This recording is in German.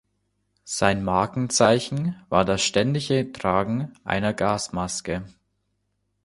Sein Markenzeichen war das ständige Tragen einer Gasmaske.